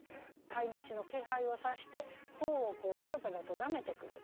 飼い主の気配を察して頬をペロペロと舐めてくる。